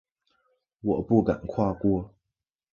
我不敢跨过